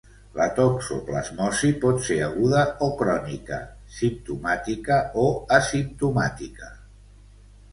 La toxoplasmosi pot ser aguda o crònica, simptomàtica o asimptomàtica.